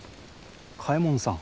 嘉右衛門さん。